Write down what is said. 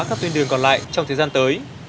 các tuyến đường còn lại trong thời gian tới